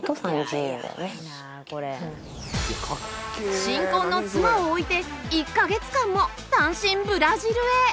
新婚の妻を置いて１カ月間も単身ブラジルへ